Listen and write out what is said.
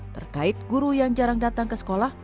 terkait guru yang jarang datang ke sekolah